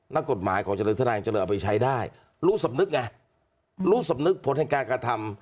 นักกฎหมายของเจริญทนายเจริญเอาไปใช้ได้รู้สำนึกไงรู้สำนึกผลแห่งการกระทำ